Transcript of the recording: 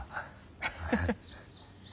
ハハハッ。